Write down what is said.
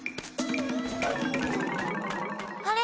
あれ？